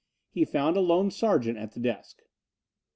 He found a lone sergeant at the desk.